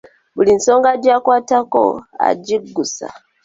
Buli nsonga gy’akwatako agiggusa.